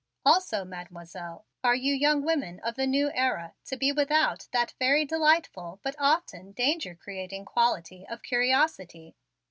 "Also, Mademoiselle, are you young women of the new era to be without that very delightful but often danger creating quality of curiosity?"